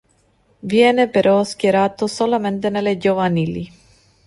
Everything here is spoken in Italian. Viene però schierato solamente nelle giovanili.